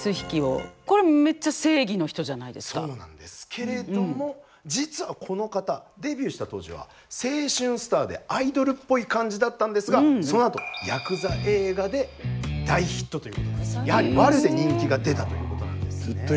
けれども実はこの方デビューした当時は青春スターでアイドルっぽい感じだったんですがそのあとやくざ映画で大ヒットということでやはりワルで人気が出たということなんですね。